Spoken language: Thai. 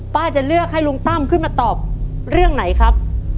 จะเลือกให้ลุงตั้มขึ้นมาตอบเรื่องไหนครับ